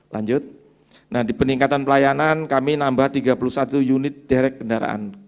lanjut nah di peningkatan pelayanan kami nambah tiga puluh satu unit direct kendaraan